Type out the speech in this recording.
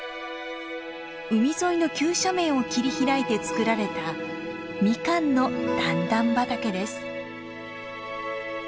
海沿いの急斜面を切り開いて作られたミカンの段々畑です。